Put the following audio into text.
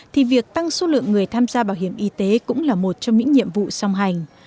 thì việc tăng số lượng người tham gia bảo hiểm y tế cũng là một trong những nhiệm vụ song hành